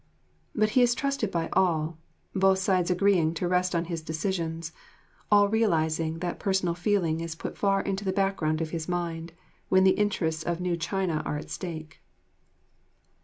But he is trusted by all, both sides agreeing to rest on his decisions, all realising that personal feeling is put far into the background of his mind when the interests of new China are at stake.